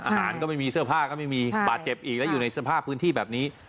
อาหารก็ไม่มีเสื้อผ้าก็ไม่มีบาดเจ็บอีกแล้วอยู่ในสภาพพื้นที่แบบนี้